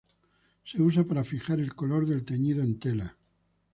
Se usa para fijar el color del teñido en tela.